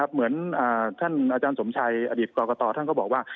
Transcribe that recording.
เหมือนท่านอาจารย์สมชัยอดีตกรกตท่านก็บอกว่า